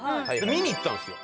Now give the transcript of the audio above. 見に行ったんですよ。